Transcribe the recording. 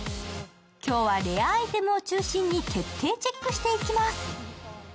今日はレアアイテムを中心に徹底チェックしていきます。